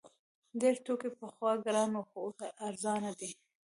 ډیر توکي پخوا ګران وو خو اوس ارزانه دي.